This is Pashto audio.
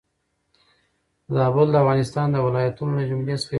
زابل د افغانستان د ولايتونو له جملي څخه يو ولايت دي.